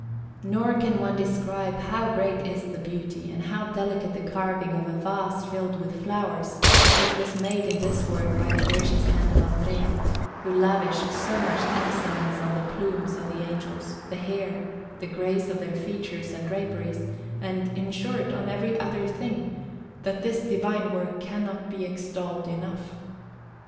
Nor can one describe how great is the beauty and how delicate the carving of a vase filled with flowers, which was made in this work by the gracious hand of Andrea, who lavished so much excellence on the plumes of the Angels, the hair, the grace of their features and draperies, and, in short, on every other thing, that this divine work cannot be extolled enough.